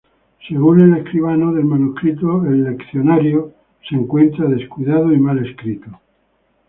Según el escribano del manuscrito el leccionario se encuentra "descuidado y mal escrito".